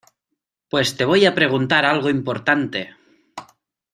pues te voy a preguntar algo importante.